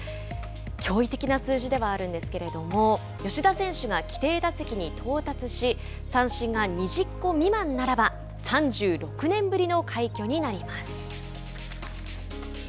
驚異的な数字ではあるんですけれども吉田選手が規定打席に到達し三振が２０個未満ならば３６年ぶりの快挙になります。